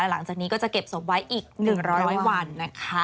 หลังจากนี้ก็จะเก็บศพไว้อีก๑๐๐วันนะคะ